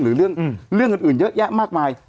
หรือเรื่องอื่นเยอะแยะมากมาย